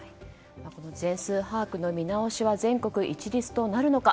全数把握の見直しは全国一律となるのか。